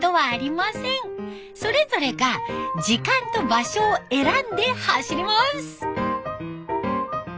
それぞれが時間と場所を選んで走ります。